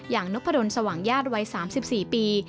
นกพะดนสว่างญาติวัย๓๔ปี